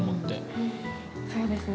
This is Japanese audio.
そうですね